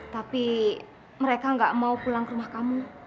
tapi mereka nggak mau pulang ke rumah kamu